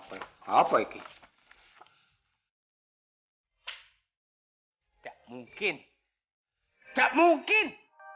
hai apa itu mungkin tak mungkin